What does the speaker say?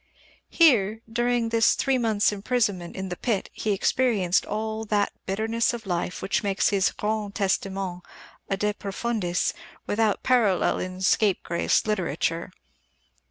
Here, during his three months' imprisonment in the pit, he experienced all that bitterness of life which makes his Grand Testament a "De Profundis" without parallel in scapegrace literature.